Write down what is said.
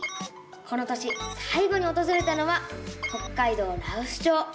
この年さい後におとずれたのは北海道羅臼町。